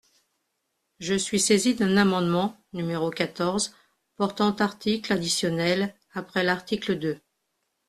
Je suis saisie d’un amendement, numéro quatorze, portant article additionnel après l’article deux.